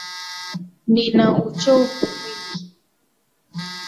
Nina uchovu mwingi.